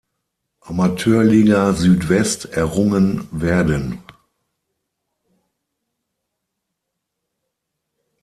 Amateurliga Südwest errungen werden.